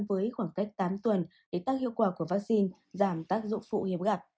với khoảng cách tám tuần để tác hiệu quả của vaccine giảm tác dụng phụ nghiệp gặp